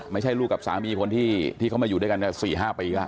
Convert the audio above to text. ไม่ใช่ลูกกับสามีคนที่เขามาอยู่ด้วยกัน๔๕ปีแล้ว